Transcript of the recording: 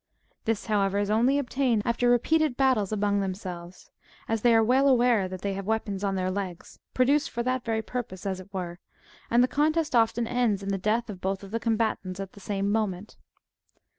This, however, is only obtained after repeated battles among themselves, as they are well aware that they have weapons on their legs, produced for that very purpose, as it were, and the contest often ends in the death of both the combatants at the same moment.